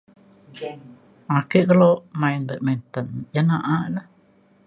ake kelo main badminton ja na'a na.